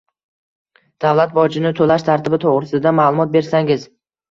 Davlat bojini to‘lash tartibi to‘g‘risida ma’lumot bersangiz?